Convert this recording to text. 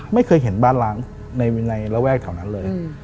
ไม่เคยเห็นบ้านล้างในระแวกแถวนั้นเลย